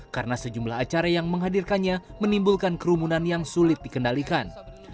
karena sejumlah acara yang menghadirkannya menimbulkan kerumunan yang sulit dikendalikan